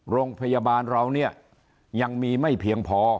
โรงพยาบาลเราเนี่ยยังมีไม่เพียงพอ